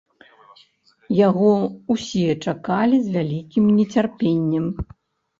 Яго ўсе чакалі з вялікім нецярпеннем.